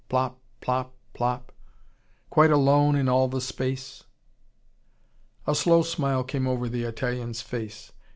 Plop! Plop! Plop! Quite alone in all the space?" A slow smile came over the Italian's face.